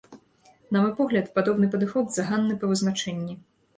На мой погляд, падобны падыход заганны па вызначэнні.